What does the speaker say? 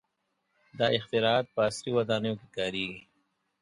• دا اختراعات په عصري ودانیو کې کارېږي.